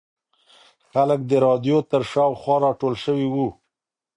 خلک د رادیو تر شاوخوا راټول شوي وو.